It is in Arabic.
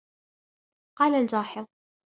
قال الجاحظ